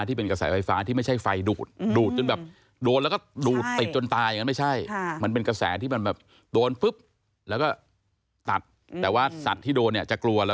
แต่อันนี้จะเหมือนฝังผิดวิธีรึเปล่า